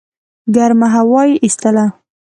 ګرمه هوا یې ایستله.